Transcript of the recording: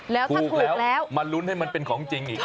แล้วถูกแล้วมาลุ้นให้มันเป็นของจริงอีก